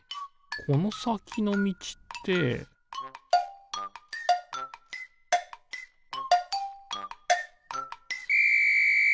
このさきのみちってピッ！